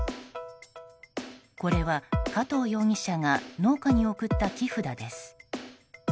これは、加藤容疑者が農家に贈った木札です。